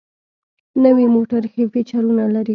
نوي موټر ښه فیچرونه لري.